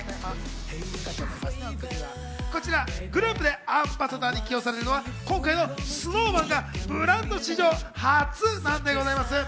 こちらグループでアンバサダーに起用されるのは今回のＳｎｏｗＭａｎがブランド史上初なんでございます。